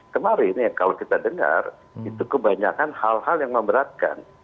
kemarin kalau kita dengar itu kebanyakan hal hal yang memberatkan